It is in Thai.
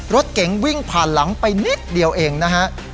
รถเก๋งวิ่งผ่านหลังไปนิดเดียวเองนะฮะ